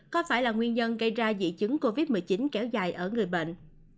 có phải là nguyên nhân gây ra dị chứng covid một mươi chín kéo dài ở người bệnh